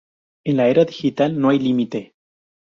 En la era digital no hay límite.